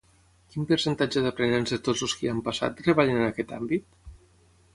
Quin percentatge d'aprenents de tots els qui hi han passat treballen en aquest àmbit?